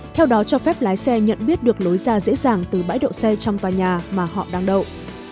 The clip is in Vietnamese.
theo đó cho phép lái xe nhận biết được lối ra dễ dàng từ bãi đậu xe trong tòa nhà mà họ đang đậu